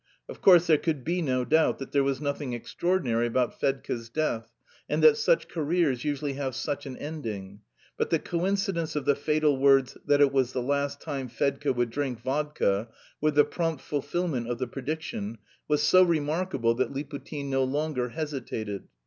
Of course, there could be no doubt that there was nothing extraordinary about Fedka's death, and that such careers usually have such an ending; but the coincidence of the fatal words that "it was the last time Fedka would drink vodka," with the prompt fulfilment of the prediction, was so remarkable that Liputin no longer hesitated.